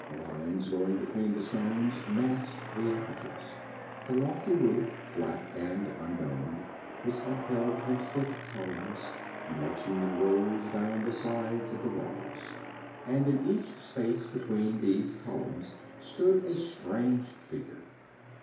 Vines, growing between the stones, masked the apertures. The lofty roof, flat and undomed, was upheld by thick columns, marching in rows down the sides of the walls. And in each space between these columns stood a strange figure.